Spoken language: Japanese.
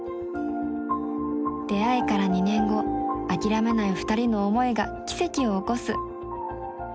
出会いから２年後諦めないふたりの思いが奇跡を起こす！